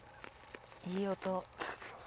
いい音。